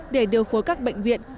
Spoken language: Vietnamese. để điều phối các bệnh viện